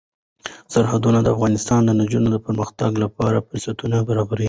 سرحدونه د افغان نجونو د پرمختګ لپاره فرصتونه برابروي.